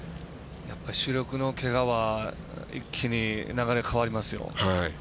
主力のけがは一気に流れ変わりますよ。